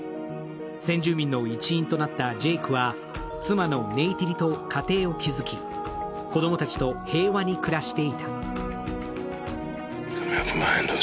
先住民の一員となったジェイクは妻のネイティリと家庭を築き子供たちと平和に暮らしていた。